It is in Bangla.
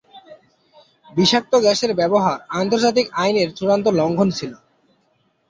বিষাক্ত গ্যাসের ব্যবহার আন্তর্জাতিক আইনের চূড়ান্ত লঙ্ঘন ছিল।